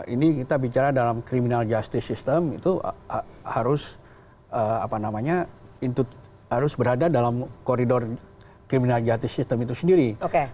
ini kita bicara dalam criminal justice system itu harus berada dalam koridor criminal justice system itu sendiri